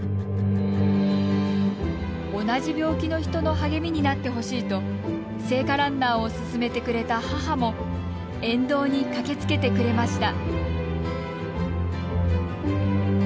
同じ病気の人の励みになってほしいと聖火ランナーを勧めてくれた母も沿道に駆けつけてくれました。